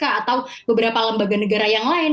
atau beberapa lembaga negara yang lain